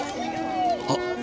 あっ！